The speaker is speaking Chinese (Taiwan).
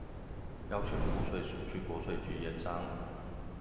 邀請賦稅署去國稅局研商